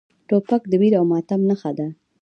توپک د ویر او ماتم نښه ده.